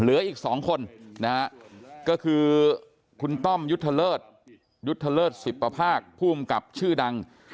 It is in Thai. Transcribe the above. เหลืออีก๒คนก็คือคุณต้อมยุทธเลิศยุทธเลิศศิปภาคผู้หุ้มกับชื่อดัง